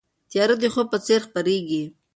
تیاره د خوب په څېر خپرېږي.